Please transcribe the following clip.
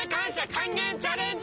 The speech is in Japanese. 還元チャレンジ